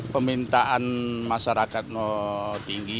pemintaan masyarakat tinggi